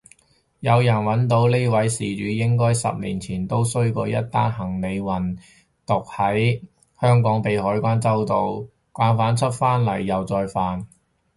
有人搵到呢位事主應該十年前都衰過一單行李運毒喺香港被海關周到，慣犯出返嚟又再犯